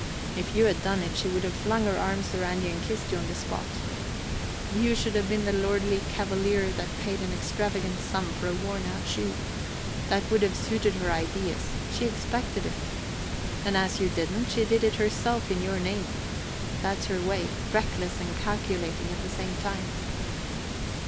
If you had done it, she would have flung her arms round you and kissed you on the spot. You should have been the lordly cavalier that paid an extravagant sum for a worn out shoe that would have suited her ideas; she expected it. And as you didn't she did it herself in your name. That's her way reckless and calculating at the same time."